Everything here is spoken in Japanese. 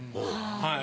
はい。